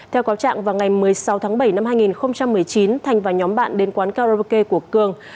theo cáo trạng vào ngày một mươi sáu tháng bảy năm hai nghìn một mươi chín thành và nhóm bạn đến quán karaoke của cường